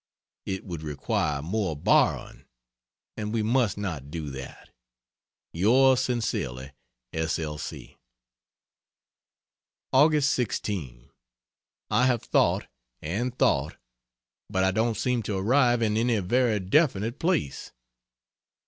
It would require more borrowing, and we must not do that. Yours Sincerely S. L. C. Aug. 16. I have thought, and thought, but I don't seem to arrive in any very definite place.